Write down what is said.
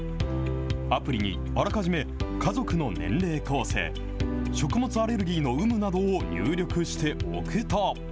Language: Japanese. アプリにあらかじめ、家族の年齢構成、食物アレルギーの有無などを入力しておくと。